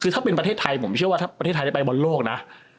คือถ้าเป็นประเทศไทยผมเชื่อว่าถ้าประเทศไทยได้ไปบอลโลกนะ